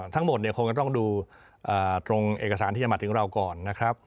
ทั้งหมดเนี่ยคงจะต้องดูตรงเอกสารที่จะมาถึงเราก่อนนะครับ